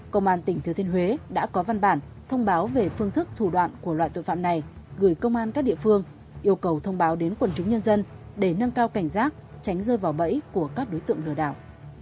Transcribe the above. quyền huế đã có văn bản thông báo về phương thức thủ đoạn của loại tội phạm này gửi công an các địa phương yêu cầu thông báo đến quần chúng nhân dân để nâng cao cảnh giác tránh rơi vào bẫy của các đối tượng lừa đảo